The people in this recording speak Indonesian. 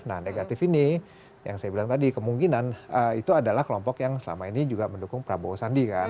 nah negatif ini yang saya bilang tadi kemungkinan itu adalah kelompok yang selama ini juga mendukung prabowo sandi kan